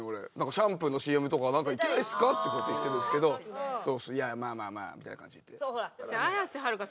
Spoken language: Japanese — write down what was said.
「シャンプーのＣＭとかいけないですか？」とかってこうやって言ってるんですけど「いやまあまあまあ」みたいな感じに言って。